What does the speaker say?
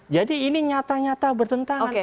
ini nyata nyata bertentangan